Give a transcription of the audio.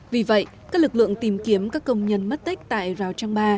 vì vậy các lực lượng tìm kiếm các công nhân mất tích tại rào trăng ba